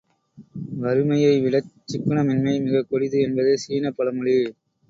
வறுமையைவிடச் சிக்கனமின்மை மிகக் கொடிது என்பது சீனப் பழமொழி!